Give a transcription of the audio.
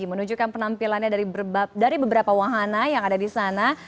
menunjukkan penampilannya dari beberapa wahana yang ada disana